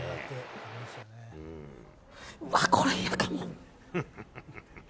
うわぁー、これ嫌かも。